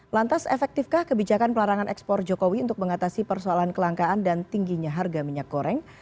lantas efektifkah kebijakan pelarangan ekspor jokowi untuk mengatasi persoalan kelangkaan dan tingginya harga minyak goreng